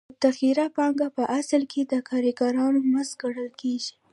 متغیره پانګه په اصل کې د کارګرانو مزد ګڼل کېږي